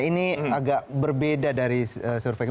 ini agak berbeda dari survei kita